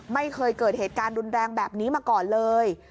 ไม่เคยเกิดเหตุการณ์รุนแรงแบบนี้มาก่อนเลย